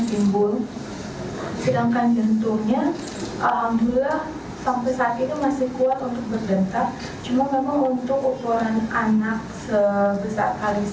jika pasien itu ada nafas harusnya ada nafas tambahan atau pola yang berupa pada alat